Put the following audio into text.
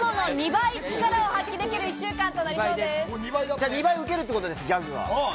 じゃあ２倍ウケるってことですね、ギャグが。